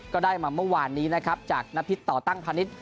ก็ได้มาเมื่อวานนี้นะครับจากนพิษต่อตั้งพาณิชย